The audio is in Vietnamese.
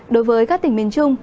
đối với các tỉnh miền trung